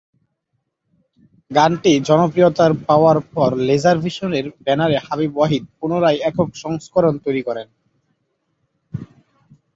গানটি জনপ্রিয়তার পাওয়ার পর লেজার ভিশন এর ব্যানারে হাবিব ওয়াহিদ পুনরায় একক সংস্করণ তৈরী করেন।